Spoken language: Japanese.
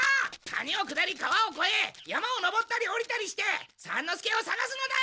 谷を下り川をこえ山を登ったり下りたりして三之助をさがすのだ！